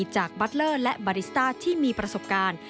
จากบัตเลอร์และบาริสต้าที่มีประสบการณ์